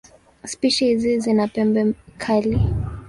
Spishi hizi zina pembe kali.